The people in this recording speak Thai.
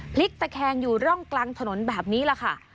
พลิกตะแคงอยู่ร่องกลางถนนแบบนี้แหละค่ะ